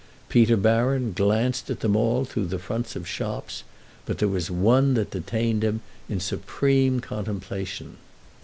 Peter Baron glanced at them all through the fronts of the shops, but there was one that detained him in supreme contemplation.